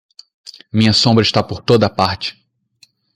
Minha sombra está por toda parte.